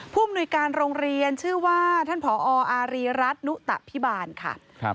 มนุยการโรงเรียนชื่อว่าท่านผออารีรัฐนุตะพิบาลค่ะ